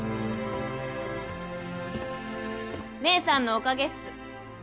姐さんのおかげっす。